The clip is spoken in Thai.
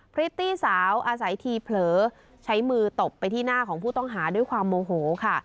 พริตตี้สาวอาศัยทีเผลอใช้มือตบไปที่หน้าของผู้ต้องหาด้วยความโมโหค่ะ